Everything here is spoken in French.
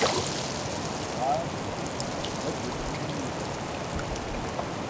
L'ouvrage dépeint les modes de vie des New-Yorkaises.